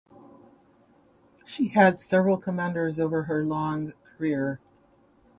She had several commanders over her long career.